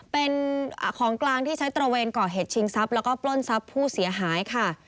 เป็นของกลางที่ใช้ตระเวนก่อเหตุชิงสับและก็ปล้นสับผู้เสียหาย